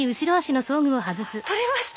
取れました！